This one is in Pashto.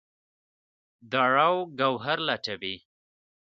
دُراو ګوهر لټوي